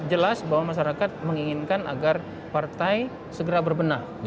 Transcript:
jelas bahwa masyarakat menginginkan agar partai segera berbenah